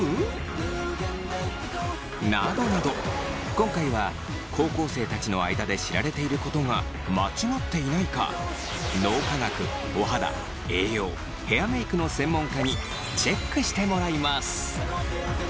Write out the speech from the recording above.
今回は高校生たちの間で知られていることが間違っていないか脳科学お肌栄養ヘアメイクの専門家にチェックしてもらいます！